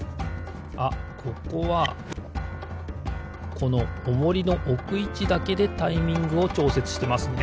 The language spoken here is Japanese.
あここはこのオモリのおくいちだけでタイミングをちょうせつしてますね。